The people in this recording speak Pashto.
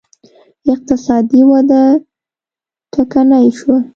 اقتصادي وده ټکنۍ شوه